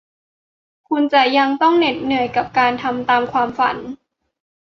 คุณจะยังต้องเหน็ดเหนื่อยกับการทำตามความฝัน